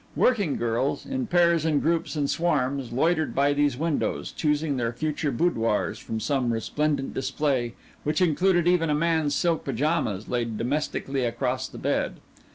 Working girls, in pairs and groups and swarms, loitered by these windows, choosing their future boudoirs from some resplendent display which included even a man's silk pajamas laid domestically across the bed.